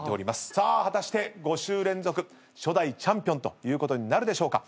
さあ果たして５週連続初代チャンピオンということになるでしょうか。